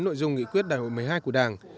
nội dung nghị quyết đại hội một mươi hai của đảng